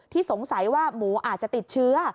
สงสัยว่าหมูอาจจะติดเชื้อ